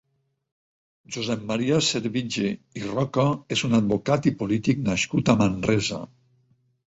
Josep Maria Servitje i Roca és un advocat i polític nascut a Manresa.